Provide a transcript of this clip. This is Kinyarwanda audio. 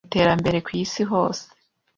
mu kwihuta mu iterambere ku isi hose